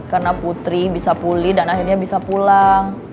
karena putri bisa pulih dan akhirnya bisa pulang